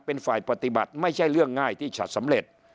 เป็นฝ่ายปฏิบัติไม่ใช่เรื่องง่ายที่จะสำเร็จ